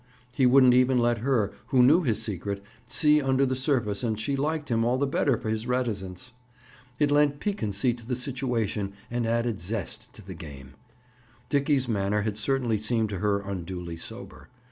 He wouldn't even let her, who knew his secret, see under the surface and she liked him all the better for his reticence. It lent piquancy to the situation and added zest to the game. Dickie's manner had certainly seemed to her unduly sober.